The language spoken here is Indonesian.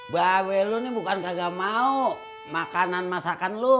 babe lo nih bukan kagak mau makanan masakan lo